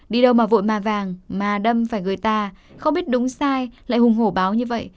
đi đâu mà vội mà vàng mà đâm phải người ta không biết đúng sai lại hùng hổ báo như vậy